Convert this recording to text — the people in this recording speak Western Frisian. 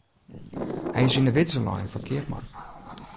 Hy is yn 'e widze lein foar keapman.